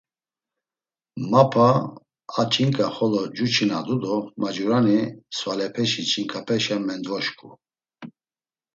Mapa a ç̌inǩa xolo cuçinadu do mancurani svalepeşi ç̌inǩapeşa mendvoşǩu.